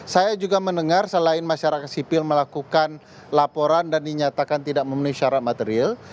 saya juga mendengar selain masyarakat sipil melakukan laporan dan dinyatakan tidak memenuhi syarat material